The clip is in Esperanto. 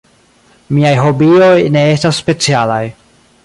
Miaj hobioj ne estas specialaj.